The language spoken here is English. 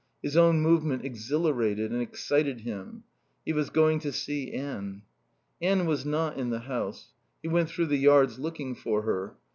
His own movement exhilarated and excited him. He was going to see Anne. Anne was not in the house. He went through the yards looking for her.